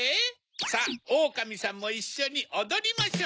さぁオオカミさんもいっしょにおどりましょう！